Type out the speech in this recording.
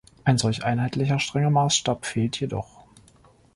Ein solch einheitlicher strenger Maßstab fehlt jedoch.